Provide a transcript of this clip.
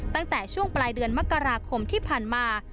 ตั้งแต่ช่วงปลายเดือนมกราคมที่ผ่านมา